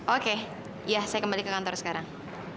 oke ya saya kembali ke kantor sekarang